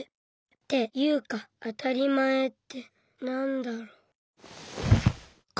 っていうか「あたりまえ」ってなんだろ。